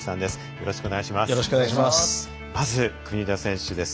よろしくお願いします。